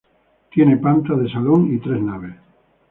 Tiene panta de salón y tres naves.